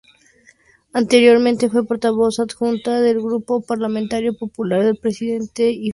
Anteriormente, fue portavoz adjunta del Grupo Parlamentario Popular y de Presidencia y Justicia.